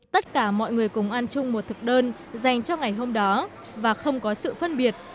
tất cả mọi người cùng ăn chung một thực đơn dành cho ngày hôm đó và không có sự phân biệt